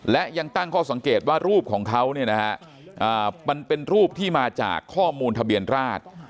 และยังตั้งข้อสังเกตว่ารูปของเขามันเป็นรูปที่มาจากข้อมูลทะเบียนราช